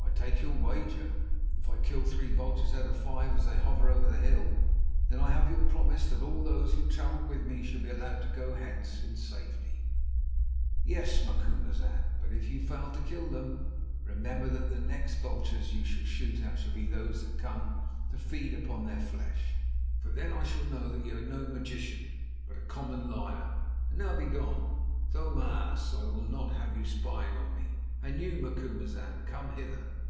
I take your wager. If I kill three vultures out of five as they hover over the hill, then I have your promise that all those who travel with me shall be allowed to go hence in safety." "Yes, yes, Macumazahn; but if you fail to kill them, remember that the next vultures you shoot at shall be those that come to feed upon their flesh, for then I shall know that you are no magician, but a common liar. And now begone, Tho maas. I will not have you spying on me; and you, Macumazahn, come hither.